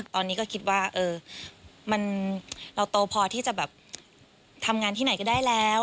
ตอนนี้ก็คิดว่าเราโตพอที่จะแบบทำงานที่ไหนก็ได้แล้ว